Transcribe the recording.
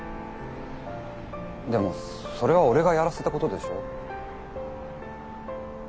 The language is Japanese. でもそれは俺がやらせたことでしょ。